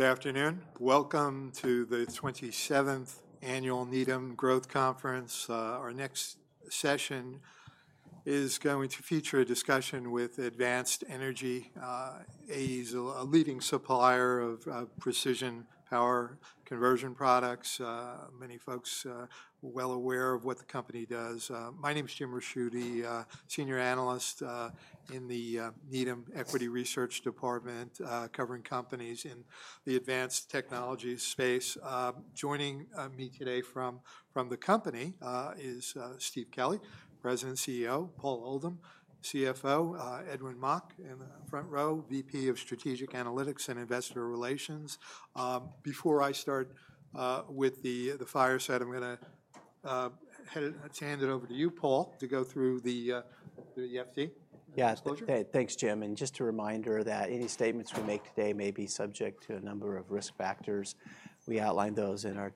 Good afternoon. Welcome to the 27th Annual Needham Growth Conference. Our next session is going to feature a discussion with Advanced Energy. AE is a leading supplier of precision power conversion products. Many folks are well aware of what the company does. My name is Jim Ricchiuti, Senior Analyst in the Needham Equity Research Department, covering companies in the advanced technology space. Joining me today from the company is Steve Kelley, President and CEO, Paul Oldham, CFO, Edwin Mok, in the front row, VP of Strategic Analytics and Investor Relations. Before I start with the fireside, I'm going to hand it over to you, Paul, to go through the safe harbor. Yeah, thanks, Jim. And just a reminder that any statements we make today may be subject to a number of risk factors. We outline those in our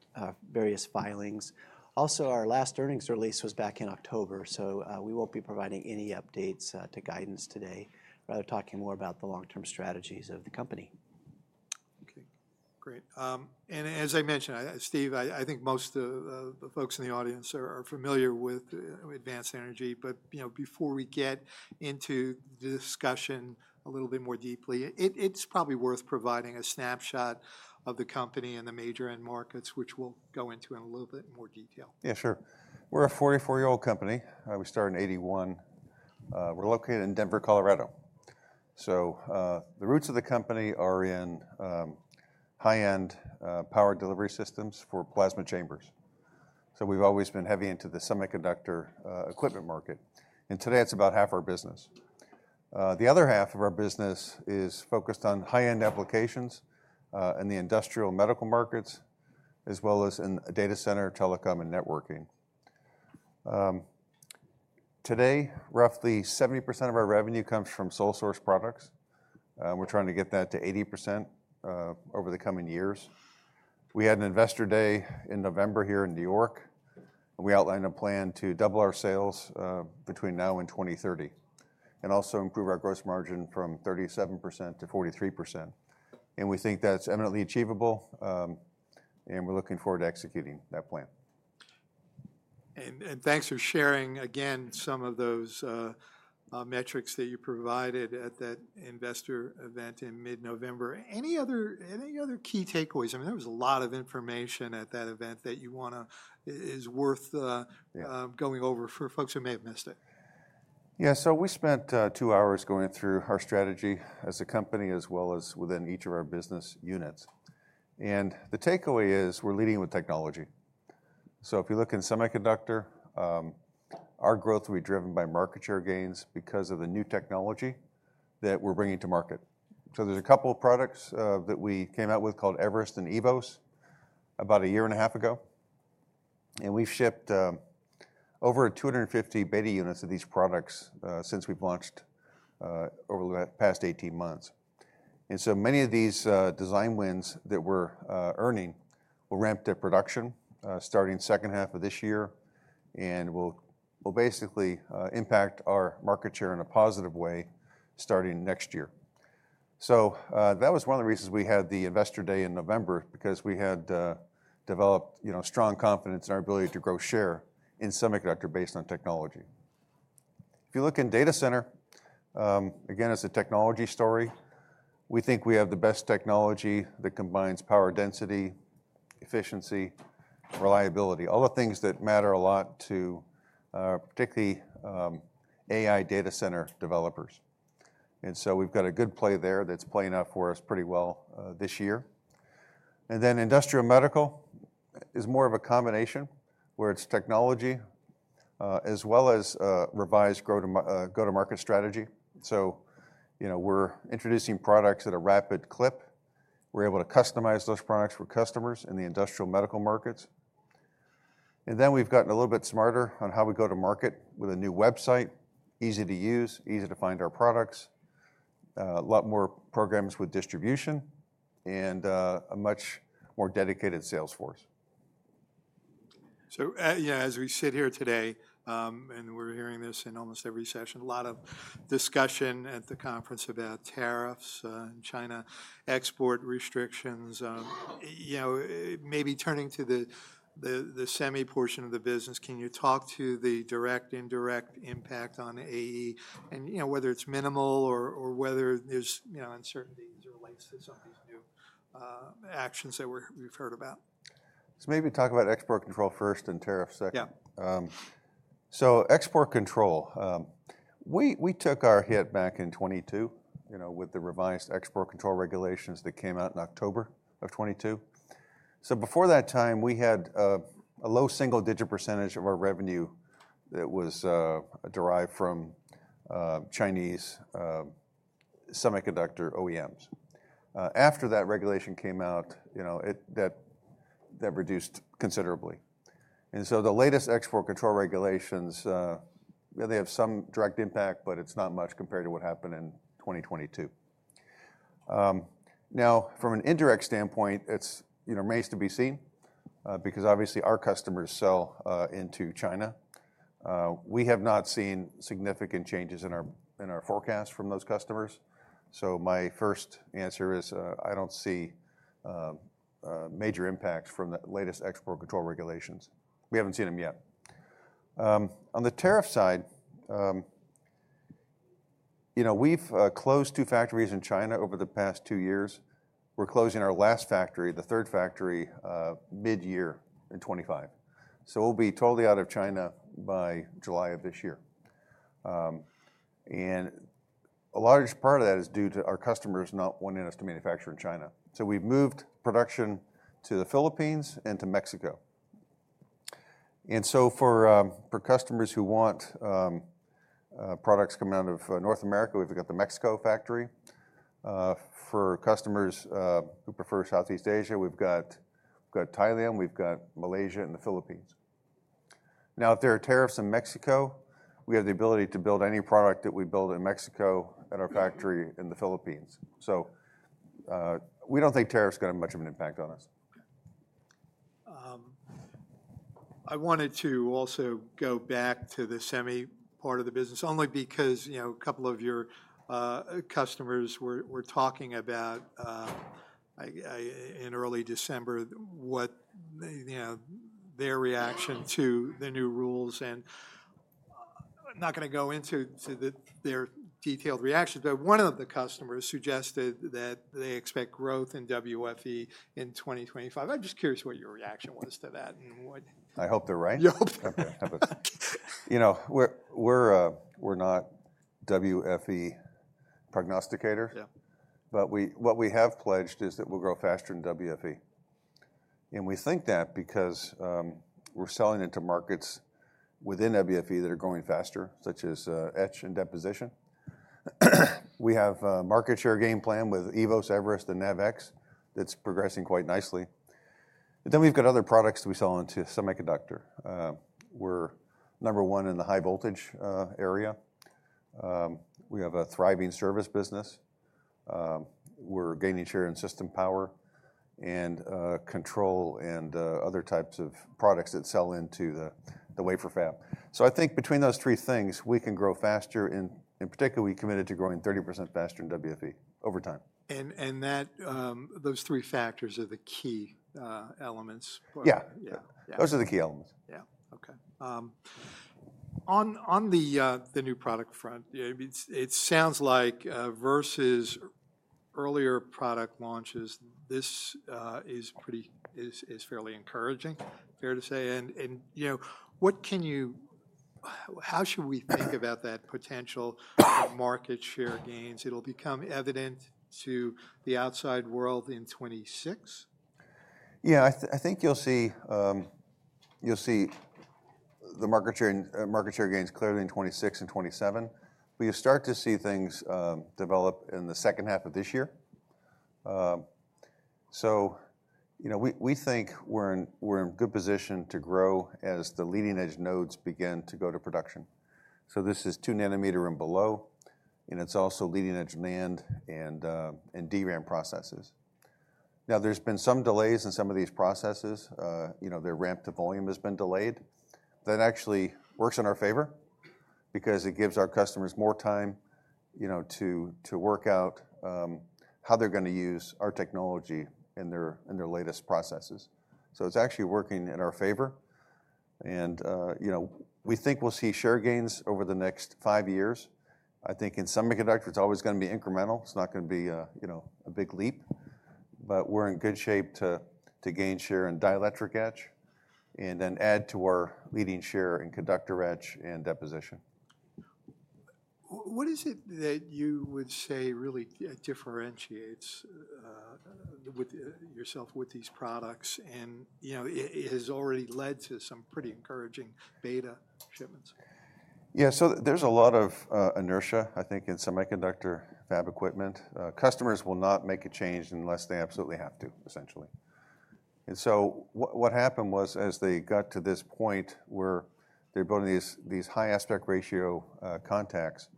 various filings. Also, our last earnings release was back in October, so we won't be providing any updates to guidance today. Rather, talking more about the long-term strategies of the company. Okay, great. And as I mentioned, Steve, I think most of the folks in the audience are familiar with Advanced Energy. But before we get into the discussion a little bit more deeply, it's probably worth providing a snapshot of the company and the major end markets, which we'll go into in a little bit more detail. Yeah, sure. We're a 44-year-old company. We started in 1981. We're located in Denver, Colorado. So the roots of the company are in high-end power delivery systems for plasma chambers. So we've always been heavy into the semiconductor equipment market, and today, it's about half our business. The other half of our business is focused on high-end applications in the industrial medical markets, as well as in data center, telecom, and networking. Today, roughly 70% of our revenue comes from sole-source products. We're trying to get that to 80% over the coming years. We had an Investor Day in November here in New York, and we outlined a plan to double our sales between now and 2030, and also improve our gross margin from 37%-43%, and we think that's eminently achievable, and we're looking forward to executing that plan. And thanks for sharing, again, some of those metrics that you provided at that investor event in mid-November. Any other key takeaways? I mean, there was a lot of information at that event that is worth going over for folks who may have missed it. Yeah, so we spent two hours going through our strategy as a company, as well as within each of our business units. And the takeaway is we're leading with technology. So if you look in semiconductor, our growth will be driven by market share gains because of the new technology that we're bringing to market. So there's a couple of products that we came out with called eVerest and eVoS about a year and a half ago. And we've shipped over 250 beta units of these products since we've launched over the past 18 months. And so many of these design wins that we're earning will ramp to production starting second half of this year, and will basically impact our market share in a positive way starting next year. That was one of the reasons we had the Investor Day in November, because we had developed strong confidence in our ability to grow share in semiconductor, based on technology. If you look in data center, again, it's a technology story. We think we have the best technology that combines power density, efficiency, reliability, all the things that matter a lot to, particularly, AI data center developers. And so we've got a good play there that's playing out for us pretty well this year. And then industrial medical is more of a combination where it's technology as well as revised go-to-market strategy. We're introducing products at a rapid clip. We're able to customize those products for customers in the industrial medical markets. And then we've gotten a little bit smarter on how we go to market with a new website, easy to use, easy to find our products, a lot more programs with distribution, and a much more dedicated sales force. So yeah, as we sit here today, and we're hearing this in almost every session, a lot of discussion at the conference about tariffs in China, export restrictions. Maybe turning to the semi portion of the business, can you talk to the direct, indirect impact on AE, and whether it's minimal or whether there's uncertainty as it relates to some of these new actions that we've heard about? So maybe talk about export control first and tariffs second. Yeah. So export control, we took our hit back in 2022 with the revised export control regulations that came out in October of 2022. So before that time, we had a low single-digit % of our revenue that was derived from Chinese semiconductor OEMs. After that regulation came out, that reduced considerably. And so the latest export control regulations, they have some direct impact, but it's not much compared to what happened in 2022. Now, from an indirect standpoint, it's yet to be seen, because obviously our customers sell into China. We have not seen significant changes in our forecast from those customers. So my first answer is I don't see major impacts from the latest export control regulations. We haven't seen them yet. On the tariff side, we've closed two factories in China over the past two years. We're closing our last factory, the third factory, mid-year in 2025. So we'll be totally out of China by July of this year. And a large part of that is due to our customers not wanting us to manufacture in China. So we've moved production to the Philippines and to Mexico. And so for customers who want products coming out of North America, we've got the Mexico factory. For customers who prefer Southeast Asia, we've got Thailand, we've got Malaysia, and the Philippines. Now, if there are tariffs in Mexico, we have the ability to build any product that we build in Mexico at our factory in the Philippines. So we don't think tariffs are going to have much of an impact on us. I wanted to also go back to the semi part of the business, only because a couple of your customers were talking about in early December, what their reaction to the new rules, and I'm not going to go into their detailed reactions, but one of the customers suggested that they expect growth in WFE in 2025. I'm just curious what your reaction was to that and what? I hope they're right. You hope they're right. We're not WFE prognosticators. But what we have pledged is that we'll grow faster in WFE. And we think that because we're selling into markets within WFE that are growing faster, such as etch and deposition. We have a market share game plan with eVoS, Everest, and NavEx that's progressing quite nicely. Then we've got other products we sell into semiconductor. We're number one in the high voltage area. We have a thriving service business. We're gaining share in system power and control and other types of products that sell into the wafer fab. So I think between those three things, we can grow faster. In particular, we committed to growing 30% faster in WFE over time. Those three factors are the key elements. Yeah, yeah. Those are the key elements. Yeah, okay. On the new product front, it sounds like versus earlier product launches, this is fairly encouraging, fair to say, and how should we think about that potential market share gains? It'll become evident to the outside world in 2026? Yeah, I think you'll see the market share gains clearly in 2026 and 2027, but you start to see things develop in the second half of this year. So we think we're in a good position to grow as the leading edge nodes begin to go to production, so this is 2nm and below, and it's also leading edge NAND and DRAM processes. Now, there's been some delays in some of these processes. Their ramp to volume has been delayed. That actually works in our favor because it gives our customers more time to work out how they're going to use our technology in their latest processes, so it's actually working in our favor. And we think we'll see share gains over the next five years. I think in semiconductor, it's always going to be incremental. It's not going to be a big leap. But we're in good shape to gain share in dielectric etch and then add to our leading share in conductor etch and deposition. What is it that you would say really differentiates yourself with these products and has already led to some pretty encouraging beta shipments? Yeah, so there's a lot of inertia, I think, in semiconductor fab equipment. Customers will not make a change unless they absolutely have to, essentially. And so what happened was as they got to this point where they're building these high-aspect-ratio contacts,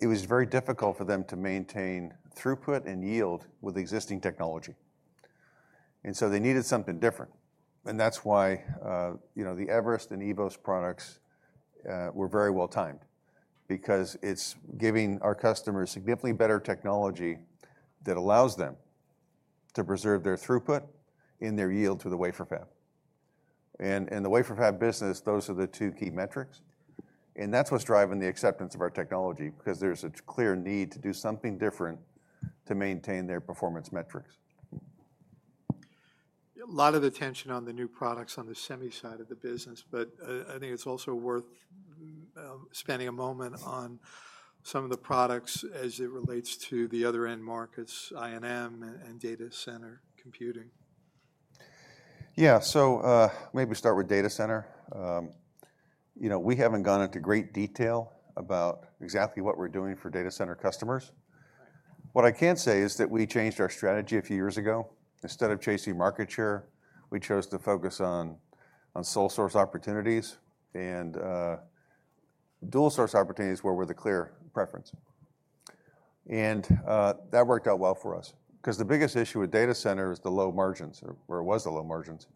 it was very difficult for them to maintain throughput and yield with existing technology. And so they needed something different. And that's why the eVerest and eVoS products were very well timed, because it's giving our customers significantly better technology that allows them to preserve their throughput and yield in the wafer fab. And in the wafer fab business, those are the two key metrics. And that's what's driving the acceptance of our technology, because there's a clear need to do something different to maintain their performance metrics. A lot of attention on the new products on the semi side of the business, but I think it's also worth spending a moment on some of the products as it relates to the other end markets, I&M and data center computing. Yeah, so maybe we start with data center. We haven't gone into great detail about exactly what we're doing for data center customers. What I can say is that we changed our strategy a few years ago. Instead of chasing market share, we chose to focus on sole source opportunities and dual source opportunities where we're the clear preference. And that worked out well for us, because the biggest issue with data center is the low margins, or it was the low margins.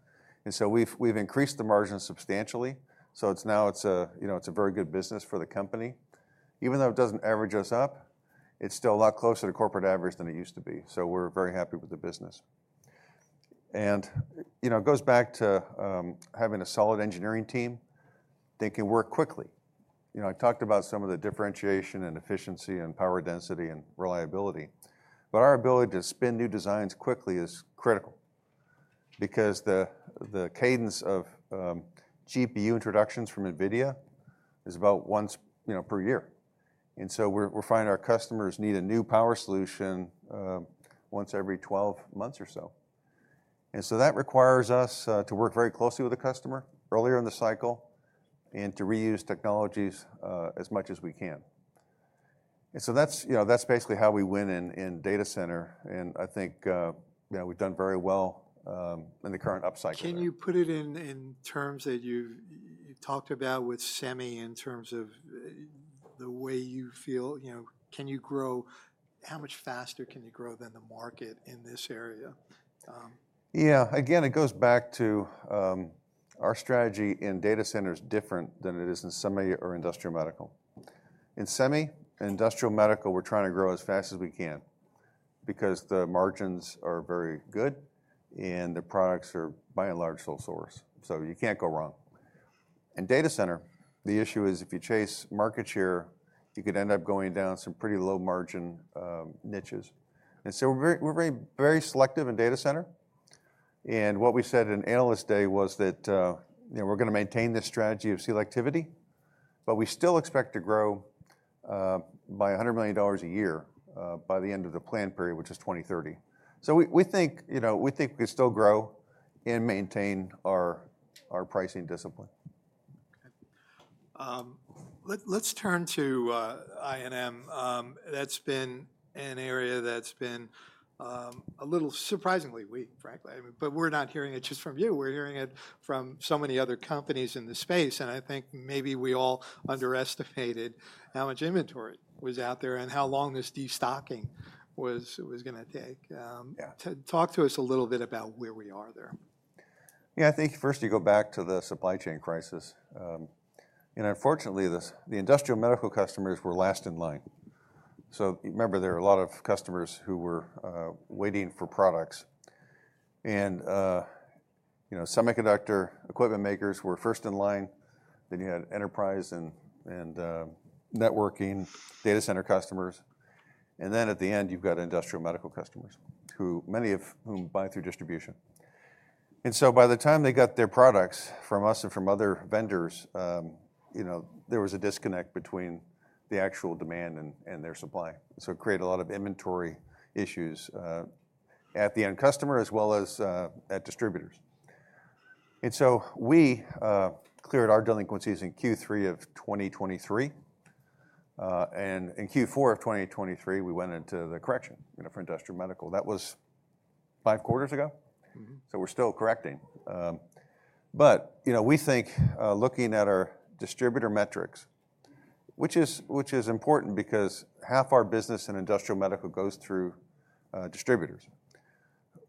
And so we've increased the margins substantially. So now it's a very good business for the company. Even though it doesn't average us up, it's still a lot closer to corporate average than it used to be. So we're very happy with the business. And it goes back to having a solid engineering team that can work quickly. I talked about some of the differentiation and efficiency and power density and reliability. But our ability to spin new designs quickly is critical, because the cadence of GPU introductions from NVIDIA is about once per year. And so we're finding our customers need a new power solution once every 12 months or so. And so that requires us to work very closely with the customer earlier in the cycle and to reuse technologies as much as we can. And so that's basically how we win in data center. And I think we've done very well in the current upcycle. Can you put it in terms that you've talked about with semi in terms of the way you feel? Can you grow? How much faster can you grow than the market in this area? Yeah, again, it goes back to our strategy in data center is different than it is in semi or industrial medical. In semi and industrial medical, we're trying to grow as fast as we can, because the margins are very good and the products are by and large sole source. So you can't go wrong. In data center, the issue is if you chase market share, you could end up going down some pretty low margin niches. And so we're very selective in data center. And what we said in analyst day was that we're going to maintain this strategy of selectivity, but we still expect to grow by $100 million a year by the end of the planned period, which is 2030. So we think we can still grow and maintain our pricing discipline. Let's turn to INM. That's been an area that's been a little surprisingly weak, frankly, but we're not hearing it just from you. We're hearing it from so many other companies in the space, and I think maybe we all underestimated how much inventory was out there and how long this destocking was going to take. Talk to us a little bit about where we are there. Yeah, I think first you go back to the supply chain crisis. And unfortunately, the industrial medical customers were last in line. So remember, there are a lot of customers who were waiting for products. And semiconductor equipment makers were first in line. Then you had enterprise and networking data center customers. And then at the end, you've got industrial medical customers, many of whom buy through distribution. And so by the time they got their products from us and from other vendors, there was a disconnect between the actual demand and their supply. So it created a lot of inventory issues at the end customer as well as at distributors. And so we cleared our delinquencies in Q3 of 2023. And in Q4 of 2023, we went into the correction for industrial medical. That was five quarters ago. So we're still correcting. But we think looking at our distributor metrics, which is important because half our business in industrial medical goes through distributors.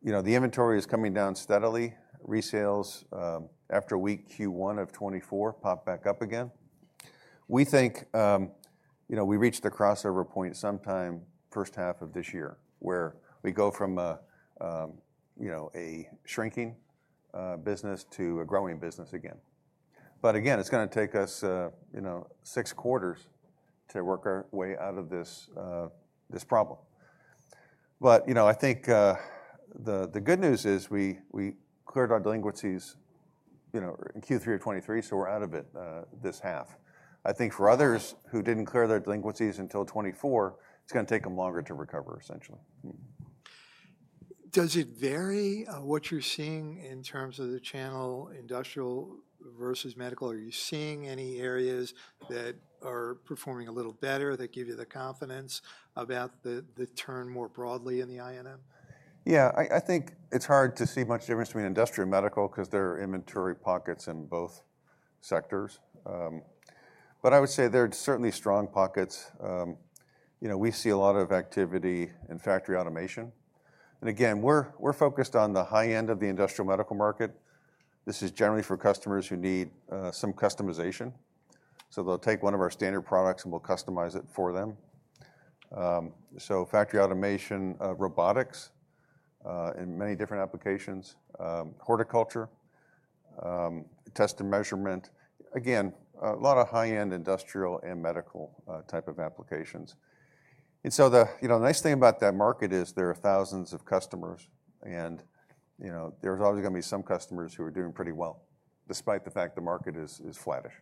The inventory is coming down steadily. Resales after weak Q1 of 2024 popped back up again. We think we reached the crossover point sometime first half of this year, where we go from a shrinking business to a growing business again. But again, it's going to take us six quarters to work our way out of this problem. But I think the good news is we cleared our delinquencies in Q3 of 2023, so we're out of it this half. I think for others who didn't clear their delinquencies until 2024, it's going to take them longer to recover, essentially. Does it vary what you're seeing in terms of the channel industrial versus medical? Are you seeing any areas that are performing a little better that give you the confidence about the turn more broadly in the INM? Yeah, I think it's hard to see much difference between industrial and medical because there are inventory pockets in both sectors, but I would say there are certainly strong pockets. We see a lot of activity in factory automation, and again, we're focused on the high end of the industrial medical market. This is generally for customers who need some customization, so they'll take one of our standard products and we'll customize it for them, so factory automation, robotics in many different applications, horticulture, test and measurement. Again, a lot of high end industrial and medical type of applications, and so the nice thing about that market is there are thousands of customers, and there's always going to be some customers who are doing pretty well, despite the fact the market is flattish.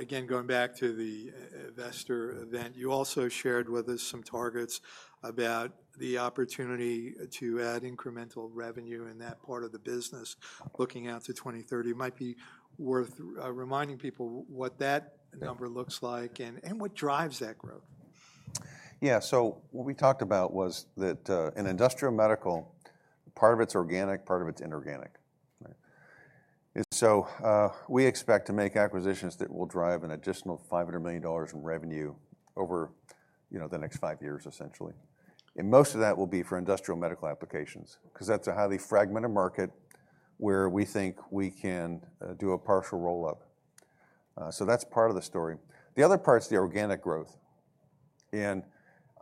Again, going back to the Everest event, you also shared with us some targets about the opportunity to add incremental revenue in that part of the business looking out to 2030. It might be worth reminding people what that number looks like and what drives that growth. Yeah, so what we talked about was that in industrial medical, part of it's organic, part of it's inorganic. And so we expect to make acquisitions that will drive an additional $500 million in revenue over the next five years, essentially. And most of that will be for industrial medical applications, because that's a highly fragmented market where we think we can do a partial roll up. So that's part of the story. The other part's the organic growth. And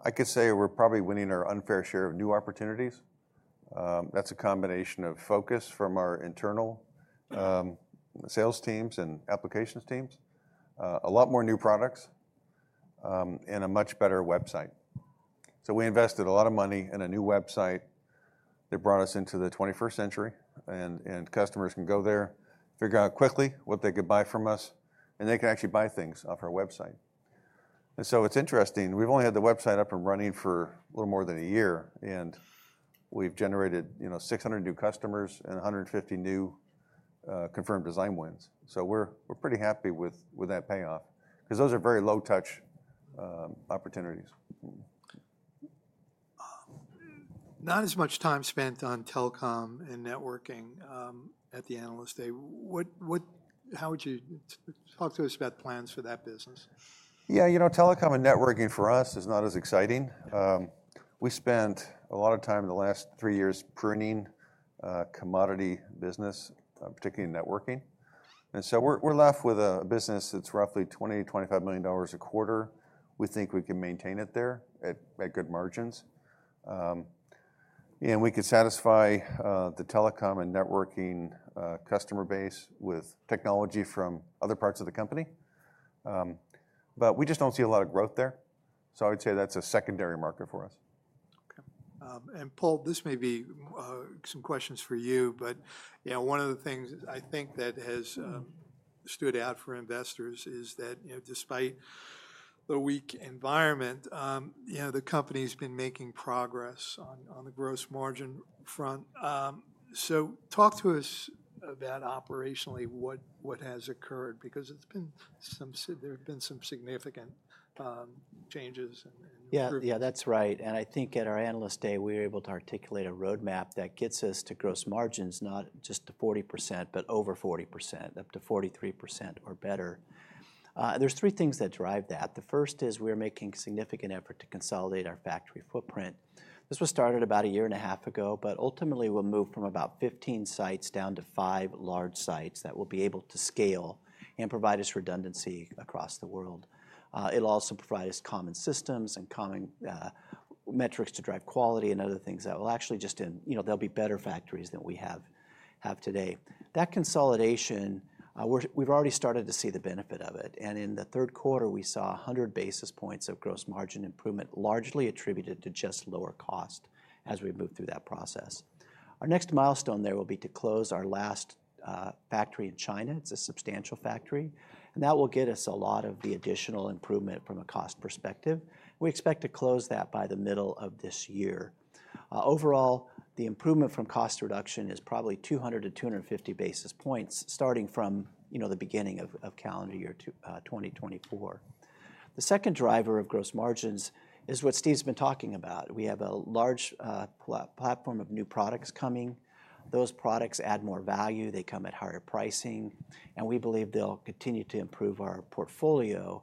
I could say we're probably winning our unfair share of new opportunities. That's a combination of focus from our internal sales teams and applications teams, a lot more new products, and a much better website. So we invested a lot of money in a new website that brought us into the 21st century. Customers can go there, figure out quickly what they could buy from us, and they can actually buy things off our website. It's interesting. We've only had the website up and running for a little more than a year, and we've generated 600 new customers and 150 new confirmed design wins. We're pretty happy with that payoff, because those are very low touch opportunities. Not as much time spent on telecom and networking at the analyst day. How would you talk to us about plans for that business? Yeah, you know, telecom and networking for us is not as exciting. We spent a lot of time the last three years pruning commodity business, particularly networking. And so we're left with a business that's roughly $20-$25 million a quarter. We think we can maintain it there at good margins. And we could satisfy the telecom and networking customer base with technology from other parts of the company. But we just don't see a lot of growth there. So I would say that's a secondary market for us. Paul, this may be some questions for you, but one of the things I think that has stood out for investors is that despite the weak environment, the company's been making progress on the gross margin front. Talk to us about operationally what has occurred, because there have been some significant changes and improvements. Yeah, that's right. And I think at our analyst day, we were able to articulate a roadmap that gets us to gross margins, not just to 40%, but over 40%, up to 43% or better. There's three things that drive that. The first is we're making a significant effort to consolidate our factory footprint. This was started about a year and a half ago, but ultimately we'll move from about 15 sites down to five large sites that will be able to scale and provide us redundancy across the world. It'll also provide us common systems and common metrics to drive quality and other things that will actually just, they'll be better factories than we have today. That consolidation, we've already started to see the benefit of it.In the third quarter, we saw 100 basis points of gross margin improvement, largely attributed to just lower cost as we move through that process. Our next milestone there will be to close our last factory in China. It's a substantial factory. And that will get us a lot of the additional improvement from a cost perspective. We expect to close that by the middle of this year. Overall, the improvement from cost reduction is probably 200-250 basis points starting from the beginning of calendar year 2024. The second driver of gross margins is what Steve's been talking about. We have a large platform of new products coming. Those products add more value. They come at higher pricing. And we believe they'll continue to improve our portfolio.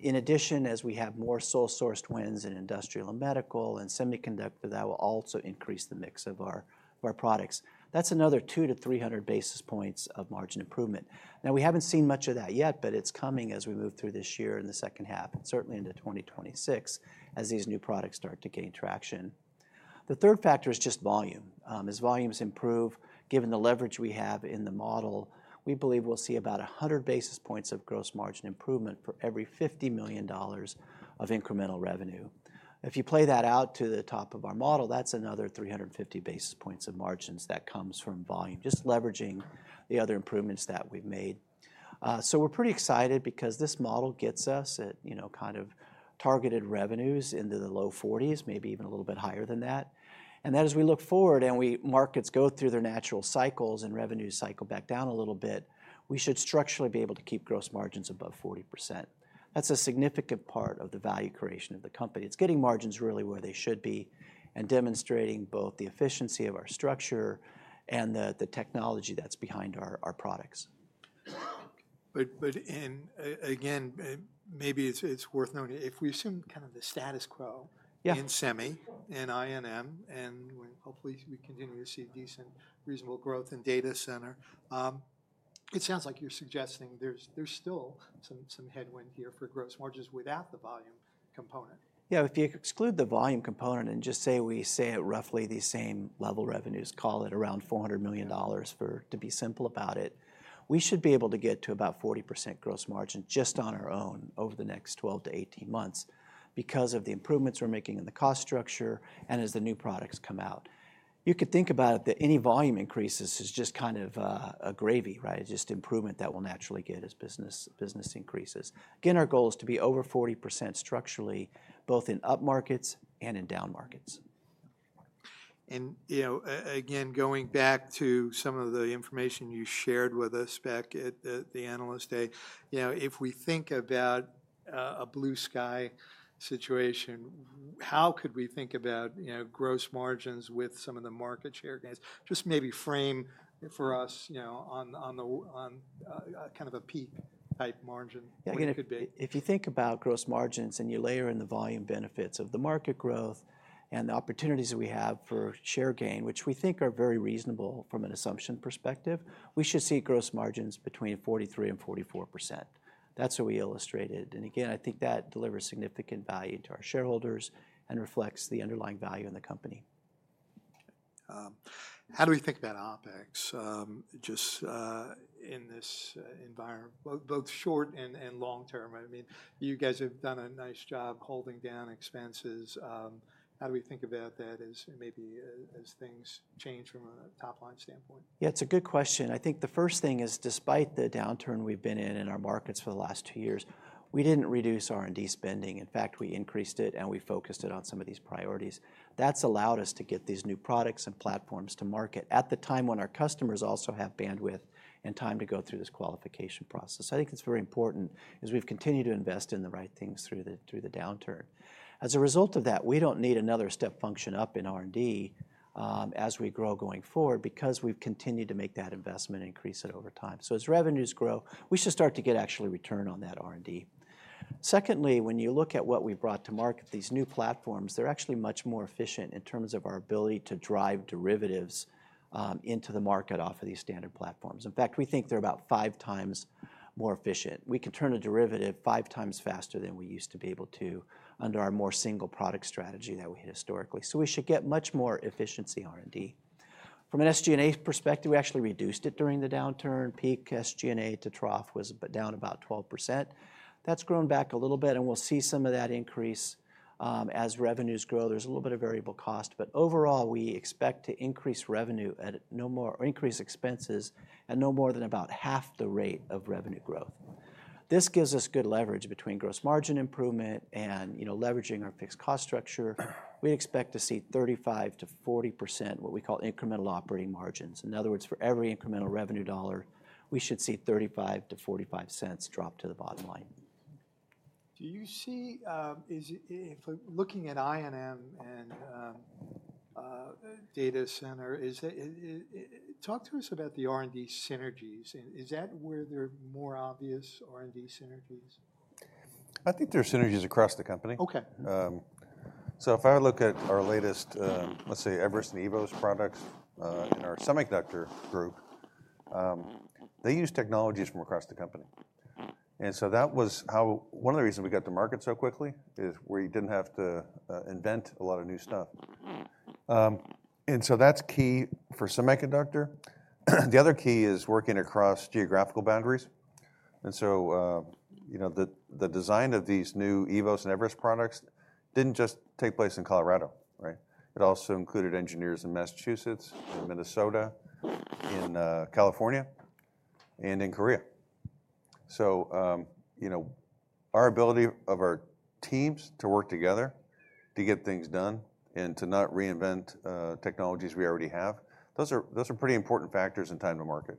In addition, as we have more sole-source wins in industrial and medical and semiconductor, that will also increase the mix of our products. That's another 200-300 basis points of margin improvement. Now, we haven't seen much of that yet, but it's coming as we move through this year in the second half, certainly into 2026, as these new products start to gain traction. The third factor is just volume. As volumes improve, given the leverage we have in the model, we believe we'll see about 100 basis points of gross margin improvement for every $50 million of incremental revenue. If you play that out to the top of our model, that's another 350 basis points of margins that comes from volume, just leveraging the other improvements that we've made. We're pretty excited because this model gets us at kind of targeted revenues in the low 40s, maybe even a little bit higher than that. That as we look forward and markets go through their natural cycles and revenues cycle back down a little bit, we should structurally be able to keep gross margins above 40%. That's a significant part of the value creation of the company. It's getting margins really where they should be and demonstrating both the efficiency of our structure and the technology that's behind our products. But again, maybe it's worth noting, if we assume kind of the status quo in semi and INM, and hopefully we continue to see decent, reasonable growth in data center, it sounds like you're suggesting there's still some headwind here for gross margins without the volume component. Yeah, if you exclude the volume component and just say we say at roughly the same level revenues, call it around $400 million to be simple about it, we should be able to get to about 40% gross margin just on our own over the next 12 months-18 months because of the improvements we're making in the cost structure and as the new products come out. You could think about it that any volume increases is just kind of a gravy, right? Just improvement that will naturally get as business increases. Again, our goal is to be over 40% structurally, both in up markets and in down markets. And again, going back to some of the information you shared with us back at the analyst day, if we think about a blue sky situation, how could we think about gross margins with some of the market share gains? Just maybe frame for us on kind of a peak type margin it could be? If you think about gross margins and you layer in the volume benefits of the market growth and the opportunities that we have for share gain, which we think are very reasonable from an assumption perspective, we should see gross margins between 43% and 44%. That's what we illustrated, and again, I think that delivers significant value to our shareholders and reflects the underlying value in the company. How do we think about OpEx just in this environment, both short and long term? I mean, you guys have done a nice job holding down expenses. How do we think about that as maybe as things change from a top line standpoint? Yeah, it's a good question. I think the first thing is despite the downturn we've been in in our markets for the last two years, we didn't reduce R&D spending. In fact, we increased it and we focused it on some of these priorities. That's allowed us to get these new products and platforms to market at the time when our customers also have bandwidth and time to go through this qualification process. I think it's very important as we've continued to invest in the right things through the downturn. As a result of that, we don't need another step function up in R&D as we grow going forward because we've continued to make that investment increase it over time. So as revenues grow, we should start to get actually return on that R&D. Secondly, when you look at what we brought to market, these new platforms, they're actually much more efficient in terms of our ability to drive derivatives into the market off of these standard platforms. In fact, we think they're about five times more efficient. We can turn a derivative five times faster than we used to be able to under our more single product strategy that we had historically. So we should get much more efficiency R&D. From an SG&A perspective, we actually reduced it during the downturn. Peak SG&A to trough was down about 12%. That's grown back a little bit, and we'll see some of that increase as revenues grow. There's a little bit of variable cost, but overall, we expect to increase revenue at no more or increase expenses at no more than about half the rate of revenue growth. This gives us good leverage between gross margin improvement and leveraging our fixed cost structure. We expect to see 35%-40%, what we call incremental operating margins. In other words, for every incremental revenue dollar, we should see 35%-45% drop to the bottom line. Do you see, looking at INM and data center, talk to us about the R&D synergies? Is that where they're more obvious R&D synergies? I think there are synergies across the company. So if I look at our latest, let's say, eVerest and eVoS products in our semiconductor group, they use technologies from across the company. And so that was how one of the reasons we got to market so quickly is we didn't have to invent a lot of new stuff. And so that's key for semiconductor. The other key is working across geographical boundaries. And so the design of these new eVoS and eVerest products didn't just take place in Colorado, right? It also included engineers in Massachusetts, in Minnesota, in California, and in Korea. So our ability of our teams to work together to get things done and to not reinvent technologies we already have, those are pretty important factors in time to market.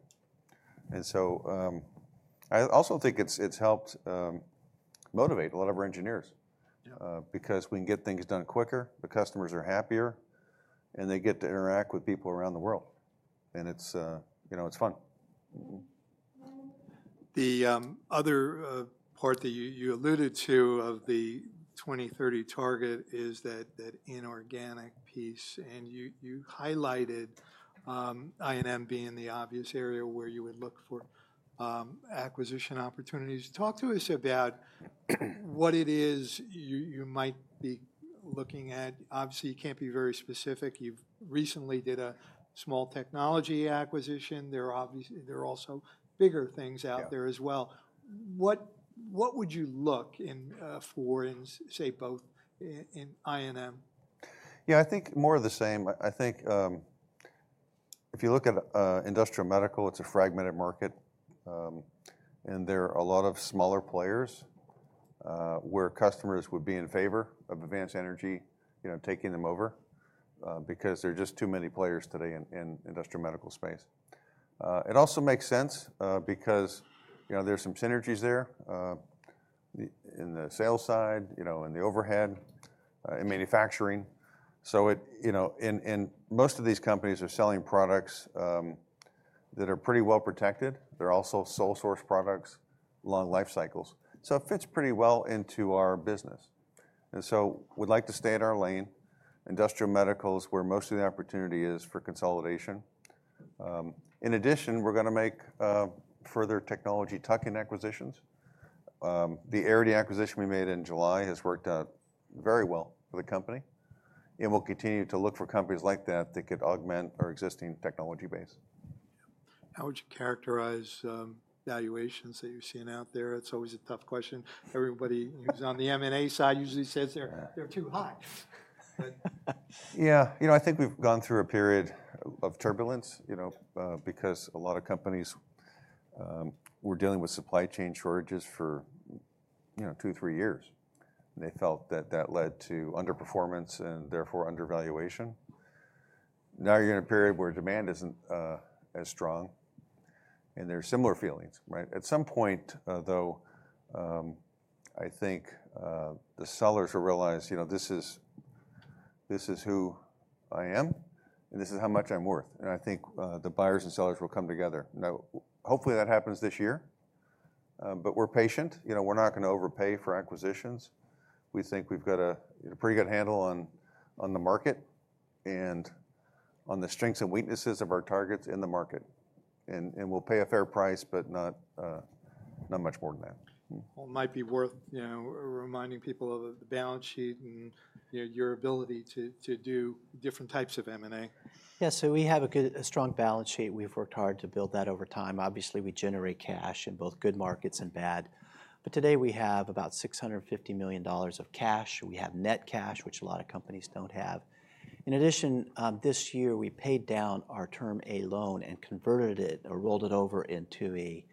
And so I also think it's helped motivate a lot of our engineers, because we can get things done quicker, the customers are happier, and they get to interact with people around the world. And it's fun. The other part that you alluded to of the 2030 target is that inorganic piece. And you highlighted INM being the obvious area where you would look for acquisition opportunities. Talk to us about what it is you might be looking at. Obviously, you can't be very specific. You recently did a small technology acquisition. There are also bigger things out there as well. What would you look for in, say, both in INM? Yeah, I think more of the same. I think if you look at industrial medical, it's a fragmented market. And there are a lot of smaller players where customers would be in favor of Advanced Energy taking them over, because there are just too many players today in the industrial medical space. It also makes sense because there are some synergies there in the sales side, in the overhead, in manufacturing. So most of these companies are selling products that are pretty well protected. They're also sole source products, long life cycles. So it fits pretty well into our business. And so we'd like to stay in our lane. Industrial medical is where most of the opportunity is for consolidation. In addition, we're going to make further technology tuck-in acquisitions. The Airity acquisition we made in July has worked out very well for the company. We'll continue to look for companies like that that could augment our existing technology base. How would you characterize valuations that you're seeing out there? It's always a tough question. Everybody who's on the M&A side usually says they're too high. Yeah, you know I think we've gone through a period of turbulence, because a lot of companies were dealing with supply chain shortages for two, three years. And they felt that that led to underperformance and therefore undervaluation. Now you're in a period where demand isn't as strong. And there are similar feelings, right? At some point, though, I think the sellers will realize this is who I am and this is how much I'm worth. And I think the buyers and sellers will come together. Now, hopefully that happens this year. But we're patient. We're not going to overpay for acquisitions. We think we've got a pretty good handle on the market and on the strengths and weaknesses of our targets in the market. And we'll pay a fair price, but not much more than that. It might be worth reminding people of the balance sheet and your ability to do different types of M&A. Yeah, so we have a strong balance sheet. We've worked hard to build that over time. Obviously, we generate cash in both good markets and bad. But today we have about $650 million of cash. We have net cash, which a lot of companies don't have. In addition, this year we paid down our term A loan and converted it or rolled it over into a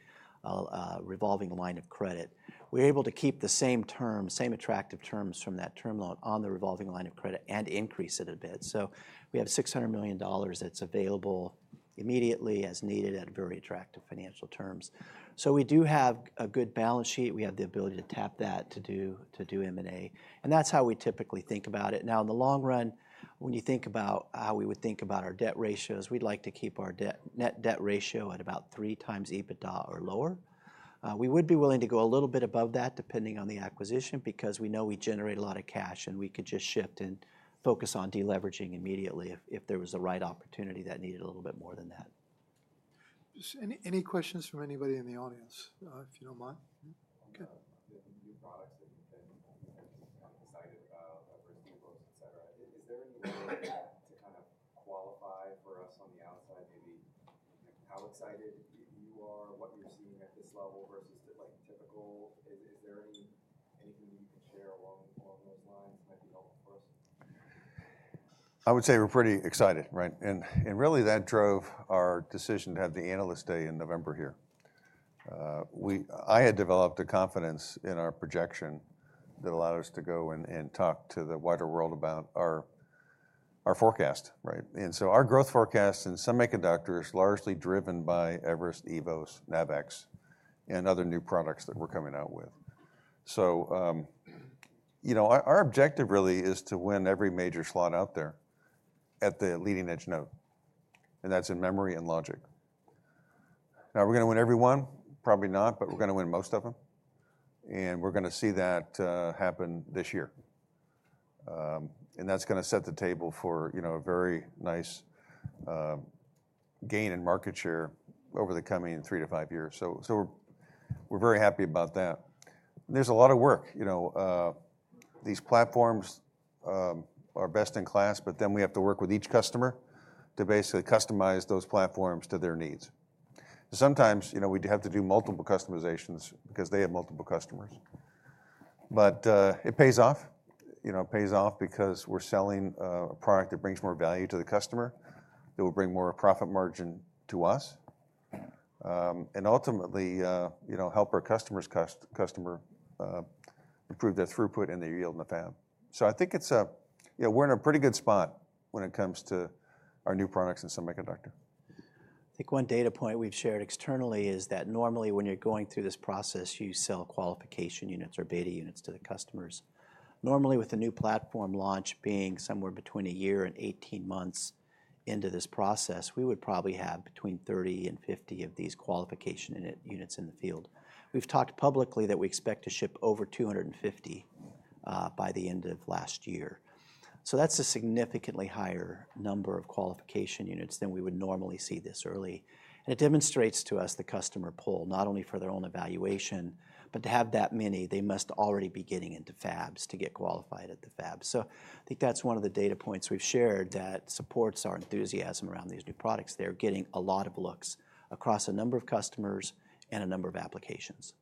revolving line of credit. We're able to keep the same terms, same attractive terms from that term loan on the revolving line of credit and increase it a bit. So we have $600 million that's available immediately as needed at very attractive financial terms. So we do have a good balance sheet. We have the ability to tap that to do M&A. And that's how we typically think about it. Now, in the long run, when you think about how we would think about our debt ratios, we'd like to keep our net debt ratio at about three times EBITDA or lower. We would be willing to go a little bit above that depending on the acquisition, because we know we generate a lot of cash and we could just shift and focus on deleveraging immediately if there was a right opportunity that needed a little bit more than that. Any questions from anybody in the audience, if you don't mind? New products that you've been excited about, Everest, eVoS, et cetera. Is there any way to kind of qualify for us on the outside? Maybe how excited you are, what you're seeing at this level versus typical? Is there anything that you can share along those lines that might be helpful for us? I would say we're pretty excited, right? And really that drove our decision to have the analyst day in November here. I had developed a confidence in our projection that allowed us to go and talk to the wider world about our forecast, right? And so our growth forecast in semiconductor is largely driven by Everest, eVoS, NavEx, and other new products that we're coming out with, so our objective really is to win every major slot out there at the leading edge node. And that's in memory and logic. Now, are we going to win every one? Probably not, but we're going to win most of them. And we're going to see that happen this year. And that's going to set the table for a very nice gain in market share over the coming three to five years. So we're very happy about that. There's a lot of work. These platforms are best in class, but then we have to work with each customer to basically customize those platforms to their needs. Sometimes we have to do multiple customizations because they have multiple customers. But it pays off. It pays off because we're selling a product that brings more value to the customer, that will bring more profit margin to us, and ultimately help our customers' customer improve their throughput and their yield in the fab. So I think we're in a pretty good spot when it comes to our new products in semiconductor. I think one data point we've shared externally is that normally when you're going through this process, you sell qualification units or beta units to the customers. Normally, with a new platform launch being somewhere between a year and 18 months into this process, we would probably have between 30 and 50 of these qualification units in the field. We've talked publicly that we expect to ship over 250 by the end of last year. So that's a significantly higher number of qualification units than we would normally see this early. And it demonstrates to us the customer pull, not only for their own evaluation, but to have that many, they must already be getting into fabs to get qualified at the fab. So I think that's one of the data points we've shared that supports our enthusiasm around these new products. They're getting a lot of looks across a number of customers and a number of applications.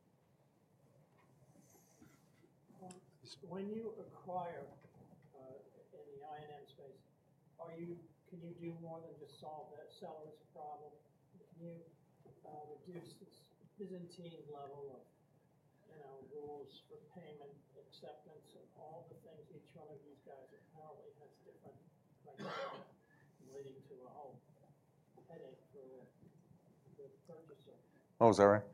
When you acquire in the INM space, can you do more than just solve that seller's problem? Can you reduce this Byzantine level of rules for payment acceptance and all the things each one of these guys apparently has different criteria leading to a whole headache for the purchaser? Oh, is that right?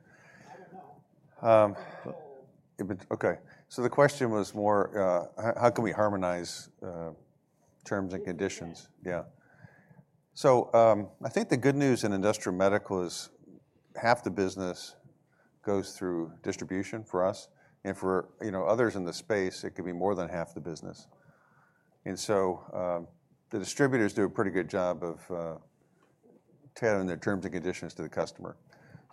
I don't know. Okay. So the question was more, how can we harmonize terms and conditions? Yeah. So I think the good news in industrial medical is half the business goes through distribution for us. And for others in the space, it could be more than half the business. And so the distributors do a pretty good job of telling their terms and conditions to the customer.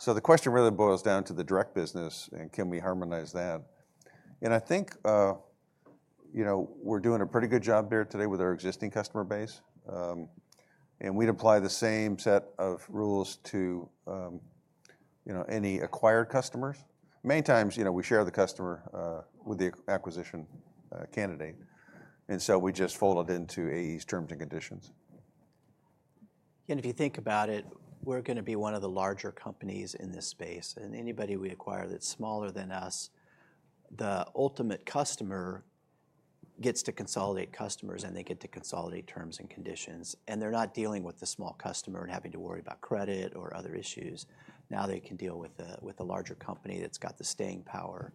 So the question really boils down to the direct business and can we harmonize that? And I think we're doing a pretty good job there today with our existing customer base. And we'd apply the same set of rules to any acquired customers. Many times we share the customer with the acquisition candidate. And so we just fold it into AE's terms and conditions. And if you think about it, we're going to be one of the larger companies in this space. And anybody we acquire that's smaller than us, the ultimate customer gets to consolidate customers and they get to consolidate terms and conditions. And they're not dealing with the small customer and having to worry about credit or other issues. Now they can deal with a larger company that's got the staying power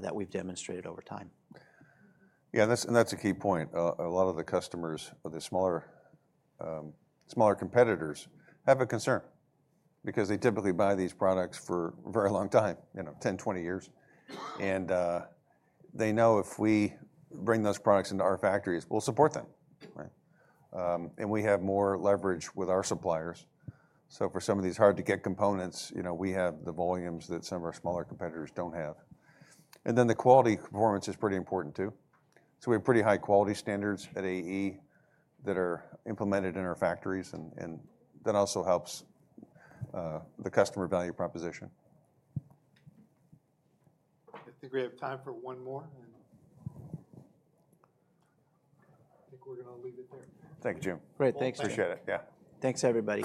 that we've demonstrated over time. Yeah, and that's a key point. A lot of the customers, the smaller competitors, have a concern, because they typically buy these products for a very long time, 10, 20 years. And they know if we bring those products into our factories, we'll support them. And we have more leverage with our suppliers. So for some of these hard-to-get components, we have the volumes that some of our smaller competitors don't have. And then the quality performance is pretty important too. So we have pretty high quality standards at AE that are implemented in our factories and that also helps the customer value proposition. I think we have time for one more. I think we're going to leave it there. Thank you, Jim. Great, thanks. Appreciate it. Yeah. Thanks, everybody.